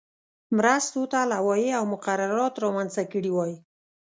مرستو ته لوایح او مقررات رامنځته کړي وای.